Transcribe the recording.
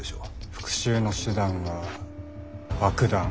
復讐の手段は爆弾。